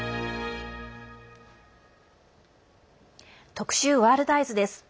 特集「ワールドＥＹＥＳ」。